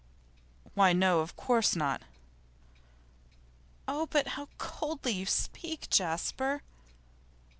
'Why no, of course not.' 'Oh, but how coldly you speak, Jasper!